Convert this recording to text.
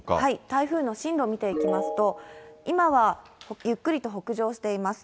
台風の進路見ていきますと、今はゆっくりと北上しています。